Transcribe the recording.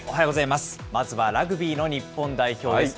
まずは、ラグビーの日本代表です。